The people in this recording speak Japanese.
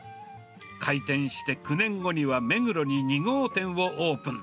開店して９年後には目黒に２号店をオープン。